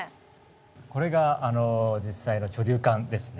これが実際の貯留管ですね。